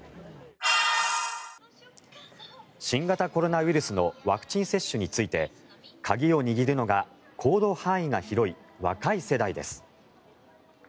新型コロナのワクチン接種について鍵を握るのが行動範囲が広い若い世代です。